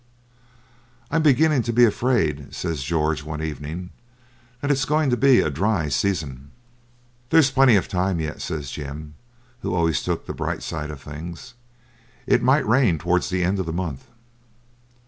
'I'm beginning to be afraid,' says George, one evening, 'that it's going to be a dry season.' 'There's plenty of time yet,' says Jim, who always took the bright side of things; 'it might rain towards the end of the month.'